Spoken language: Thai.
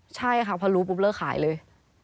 ใช่ค่ะพอรู้ปุ๊บเลิกขายเลย